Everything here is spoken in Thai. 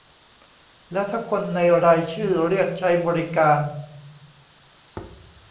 แล้วถ้าคนในรายชื่อเรียกใช้บริการ